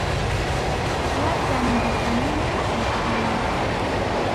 وابزانم دەتوانین دەست پێ بکەین.